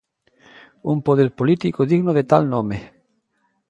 Un poder político digno de tal nome.